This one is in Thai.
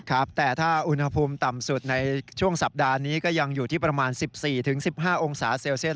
ครับแต่ถ้าอุณหภูมิต่ำสุดในช่วงสัปดาห์นี้ก็ยังอยู่ที่ประมาณ๑๔๑๕องศาเซลเซียส